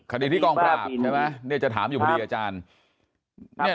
คดีที่กองปราบใช่ไหมเนี่ยจะถามอยู่พอดีอาจารย์